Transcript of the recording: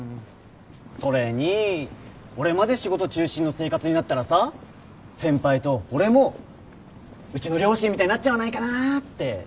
それに俺まで仕事中心の生活になったらさ先輩と俺もうちの両親みたいになっちゃわないかなって。